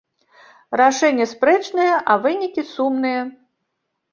Рашэнне спрэчнае, а вынікі сумныя.